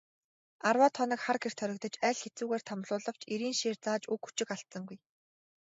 Арваад хоног хар гэрт хоригдож, аль хэцүүгээр тамлуулавч эрийн шийр зааж үг өчиг алдсангүй.